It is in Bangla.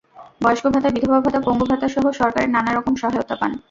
বয়স্ক ভাতা, বিধবা ভাতা, পঙ্গু ভাতাসহ সরকারের নানা রকম সহায়তা পায়।